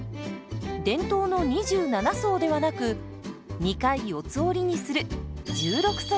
伝統の２７層ではなく２回四つ折りにする１６層です。